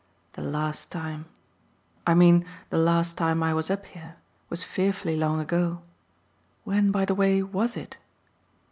The last time I mean the last time I was up here was fearfully long ago: when, by the way, WAS it?